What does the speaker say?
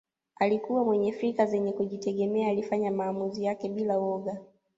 Alikuwa mwenye fikra zenye kujitegemea alifanya maamuzi yake bila woga